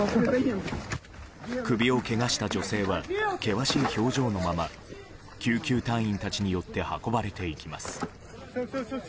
首をけがした女性は険しい表情のまま救急隊員たちによって運ばれていきます。